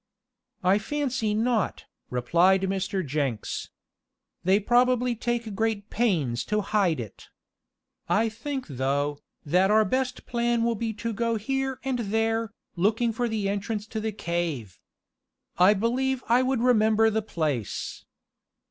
"I fancy not," replied Mr. Jenks. "They probably take great pains to hide it. I think though, that our best plan will be to go here and there, looking for the entrance to the cave. I believe I would remember the place."